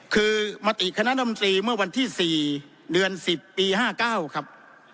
คือมติคณะรัฐมนตรีเมื่อวันที่๔เดือน๑๐ปี๕๙ครับ